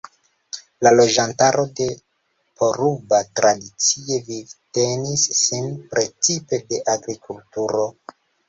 La loĝantaro de Poruba tradicie vivtenis sin precipe de agrikulturo.